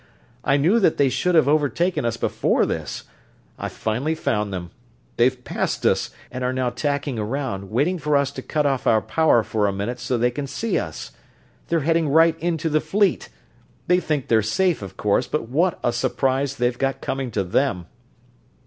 I knew that they should have overtaken us before this. I've finally found them. They've passed us, and are now tacking around, waiting for us to cut off our power for a minute so that they can see us! They're heading right into the Fleet they think they're safe, of course, but what a surprise they've got coming to them!"